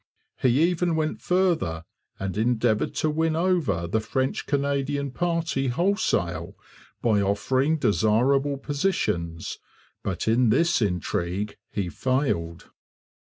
He even went further and endeavoured to win over the French Canadian party wholesale by offering desirable positions; but in this intrigue he failed.